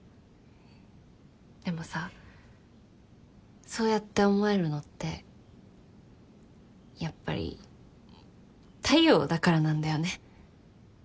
でもさそうやって思えるのってやっぱり太陽だからなんだよね。